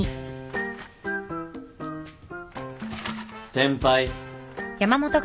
先輩